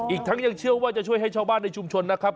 อีกทั้งยังเชื่อว่าจะช่วยให้ชาวบ้านในชุมชนนะครับ